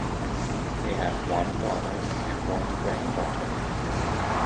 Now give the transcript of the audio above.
They have one daughter and one granddaughter.